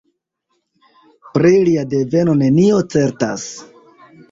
Pri lia deveno nenio certas.